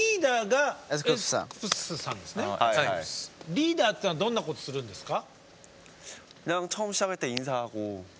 リーダーっていうのはどんなことするんですか？